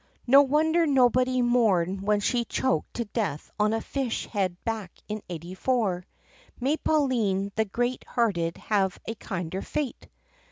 No wonder nobody mourned when she choked to death on a fish head back in '84. May Pauline the Great hearted have a kinder fate!